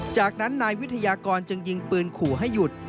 จากนั้นนายวิทยากรจึงยิงปืนขู่ให้หยุด